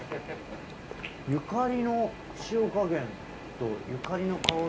ゆかりの塩加減とゆかりの香り。